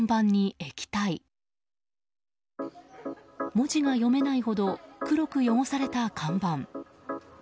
文字が読めないほど黒く汚された看板。